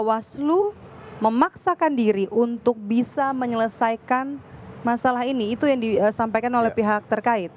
bawaslu memaksakan diri untuk bisa menyelesaikan masalah ini itu yang disampaikan oleh pihak terkait